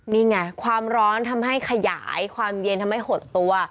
นี่ไงความร้อนทำให้ขยายความเย็นทำให้หดตัว